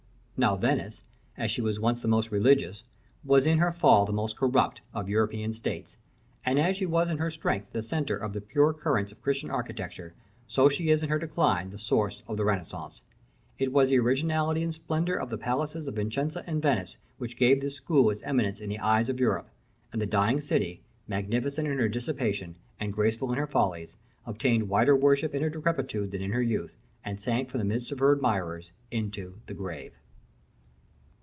Now Venice, as she was once the most religious, was in her fall the most corrupt, of European states; and as she was in her strength the centre of the pure currents of Christian architecture, so she is in her decline the source of the Renaissance. It was the originality and splendor of the palaces of Vicenza and Venice which gave this school its eminence in the eyes of Europe; and the dying city, magnificent in her dissipation, and graceful in her follies, obtained wider worship in her decrepitude than in her youth, and sank from the midst of her admirers into the grave.